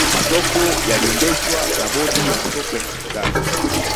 masoko yaliendeshwa na bodi ya masoko ya serikali